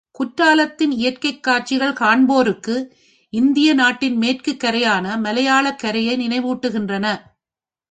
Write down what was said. குற்றாலத்தின் இயற்கைக் காட்சிகள், காண்போருக்கு இந்திய நாட்டின் மேற்குக் கரையான மலையாளக் கரையை நினைவூட்டுகின்றன.